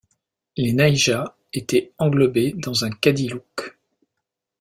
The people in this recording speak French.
Les nahijas étaient englobées dans un kadiluk.